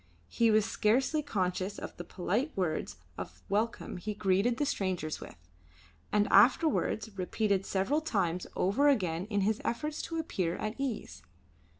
He was scarcely conscious of the polite words of welcome he greeted the strangers with, and afterwards repeated several times over again in his efforts to appear at ease.